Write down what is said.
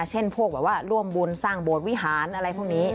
เช่นพวกแบบว่าร่วมบุญสร้างโบสถวิหารอะไรพวกนี้